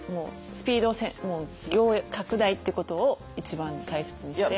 スピード拡大ってことを一番大切にして。